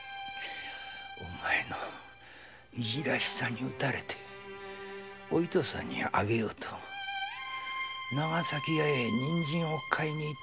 お前のいじらしさに打たれてお糸さんにあげようと長崎屋へ人参を買いに行ったのだが。